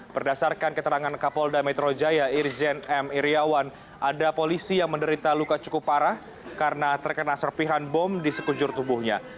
berdasarkan keterangan kapolda metro jaya irjen m iryawan ada polisi yang menderita luka cukup parah karena terkena serpihan bom di sekujur tubuhnya